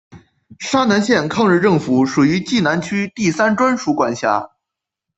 沙南县抗日政府属于冀南区第三专署管辖。